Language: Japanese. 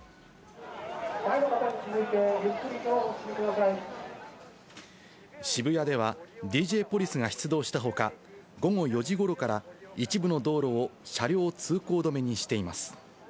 前の方に続いてゆっくりとお渋谷では、ＤＪポリスが出動したほか、午後４時ごろから一部の道路を車両通行止めにしています。